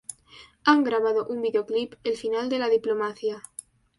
Han grabado un videoclip: "El final de la diplomacia".